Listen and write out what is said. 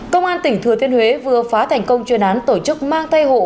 công an tỉnh thừa thiên huế vừa phá thành công chuyên án tổ chức mang tay hộ